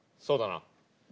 そうだな。